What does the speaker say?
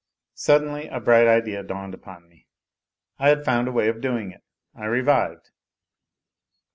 Suddenly a bright idea dawned upon me. I had found a way of doing it ; I revived.